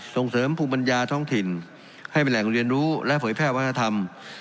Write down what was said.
ส่งเสริมภูมิปัญญาท้องถิ่นให้เป็นแหล่งเรียนรู้และเผยแพร่วัฒนธรรม